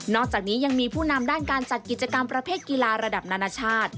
อกจากนี้ยังมีผู้นำด้านการจัดกิจกรรมประเภทกีฬาระดับนานาชาติ